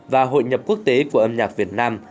và hội nhập quốc tế của âm nhạc việt nam